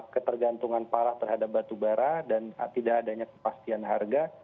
ketergantungan parah terhadap batu bara dan tidak adanya kepastian harga